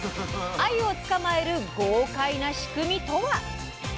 あゆを捕まえる豪快な仕組みとは？